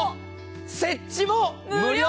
設置も無料！